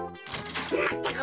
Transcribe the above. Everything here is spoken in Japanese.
まったく！